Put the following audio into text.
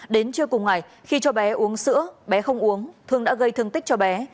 đến trưa cùng ngày khi cho bé uống sữa bé không uống thương đã gây thương tích cho bé